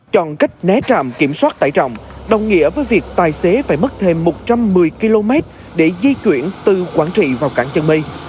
chọn cách né trạm kiểm soát tải trọng đồng nghĩa với việc tài xế phải mất thêm một trăm một mươi km để di chuyển từ quảng trị vào cảng chân mây